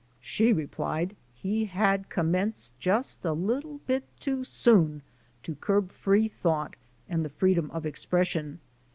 *^She replied he had commenced just a little bit too soon to curb free thought and the freedom of expression.